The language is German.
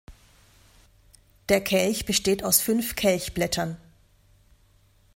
Der Kelch besteht aus fünf Kelchblättern.